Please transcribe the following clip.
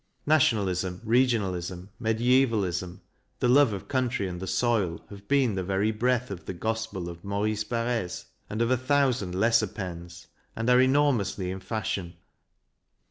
Nationalism, regionalism, mediaevalism, the love of country and the soil have been the very breath of the gospel of Maurice Barres, and of a thou sand lesser pens, and are enormously in fashion.